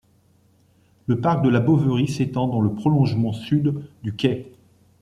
Le parc de la Boverie s'étend dans le prolongement sud du quai.